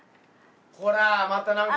ほらまた何か。